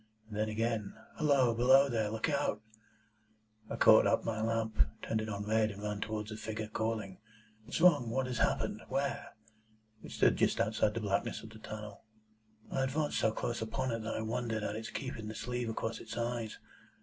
And then again, 'Halloa! Below there! Look out!' I caught up my lamp, turned it on red, and ran towards the figure, calling, 'What's wrong? What has happened? Where?' It stood just outside the blackness of the tunnel. I advanced so close upon it that I wondered at its keeping the sleeve across its eyes.